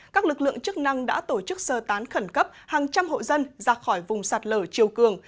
các lực lượng chức năng đã tổ chức sơ tán khẩn cấp hàng trăm hộ dân ra khỏi vùng sạt lở chiều cường